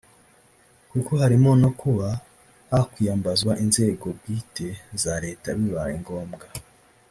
kuko harimo no kuba hakwiyambazwa inzego bwite za leta bibaye ngombwa